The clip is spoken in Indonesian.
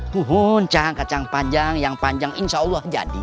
buhun cang kacang panjang yang panjang insya allah jadi